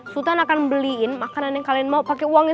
sultan akan beliin makanan yang kalian mau pakai uangnya